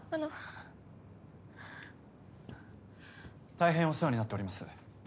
たいへんお世話になっております。